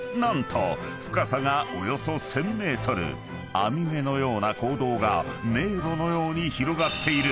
［網目のような坑道が迷路のように広がっている］